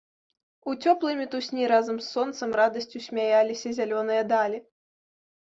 У цёплай мітусні разам з сонцам радасцю смяяліся зялёныя далі.